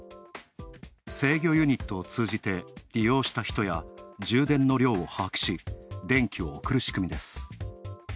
制御ユニットを通じて利用した人や充電の量を把握し、電気を送る仕組みです。